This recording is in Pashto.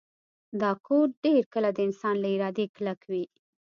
دا کوډ ډیر کله د انسان له ارادې کلک وي